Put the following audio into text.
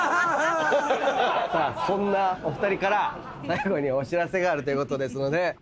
そんなお二人から最後にお知らせがあるということですので。